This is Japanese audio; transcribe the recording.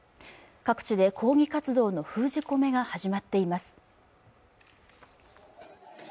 各地で抗議活動の封じ込めが始まっています